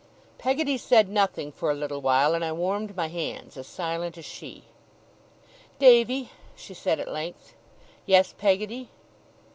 Peggotty said nothing for a little while; and I warmed my hands, as silent as she. 'Davy,' she said at length. 'Yes, Peggotty?